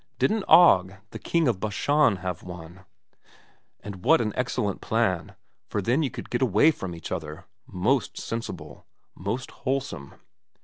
Didn't Og the King of Bashan have one ? But what an excellent plan, for then you could get away from each other. Most sensible. Most wholesome.